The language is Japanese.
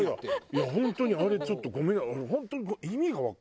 いや本当にあれちょっとごめん。